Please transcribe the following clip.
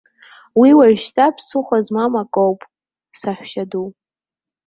Уи уажәшьҭа ԥсыхәа змам акоуп, саҳәшьаду.